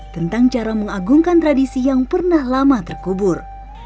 tentang cara mengagungkan tradisi yang pernah lama terkubur